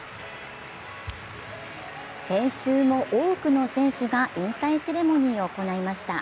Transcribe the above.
先週も多くの選手が引退セレモニーを行いました。